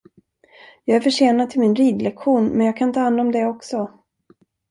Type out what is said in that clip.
Jag är försenad till min ridlektion, men jag kan ta hand om det också.